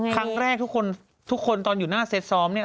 ครั้งแรกทุกคนทุกคนตอนอยู่หน้าเซ็ตซ้อมเนี่ย